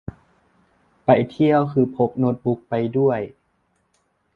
ไปเที่ยวคือพกโน๊ตบุ๊กไปด้วย